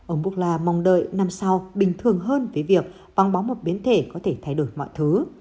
ông bogla mong đợi năm sau bình thường hơn với việc vắng bóng một biến thể có thể thay đổi mọi thứ